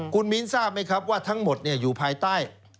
คุณมิ้นทราบไหมครับว่าทั้งหมดอยู่ภายใต้